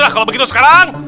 sudah kalau begitu sekarang